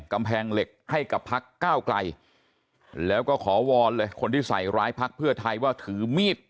กำแพงเหล็กให้กับพักก้าวไกลแล้วก็ขอวอนเลยคนที่ใส่ร้ายพักเพื่อไทยว่าถือมีด